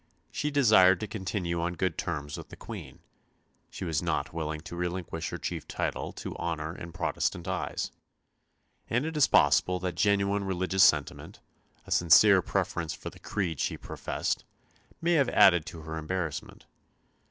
She desired to continue on good terms with the Queen; she was not willing to relinquish her chief title to honour in Protestant eyes; and it is possible that genuine religious sentiment, a sincere preference for the creed she professed, may have added to her embarrassment.